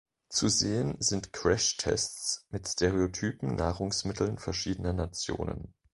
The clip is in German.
Zu sehen sind Crashtests mit stereotypen Nahrungsmitteln verschiedener Nationen.